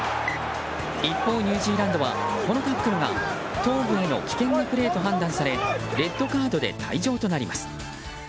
一方、ニュージーランドはこのタックルが頭部への危険なプレーと判断されレッドカードで退場となります。